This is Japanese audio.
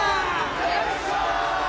よいしょ！